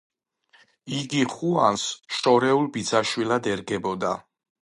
იგი ხუანს შორეულ ბიძაშვილად ერგებოდა.